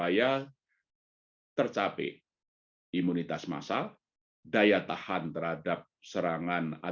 ingatlah itu adalah percaya diri kita